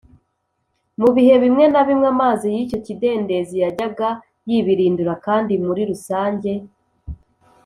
Mu bihe bimwe na bimwe amazi y’icyo kidendezi yajyaga yibirindura kandi, muri rusange,